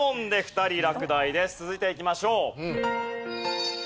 続いていきましょう。